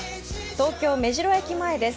東京・目白駅前です。